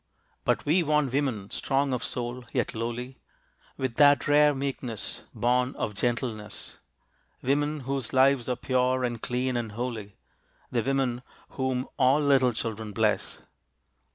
But we want women, strong of soul, yet lowly, With that rare meekness, born of gentleness, Women whose lives are pure and clean and holy, The women whom all little children bless.